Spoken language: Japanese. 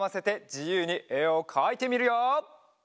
じゆうにえをかいてみるよ！